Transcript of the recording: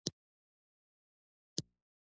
د واک سرچینه د لیک شوو اسنادو ته واوښته.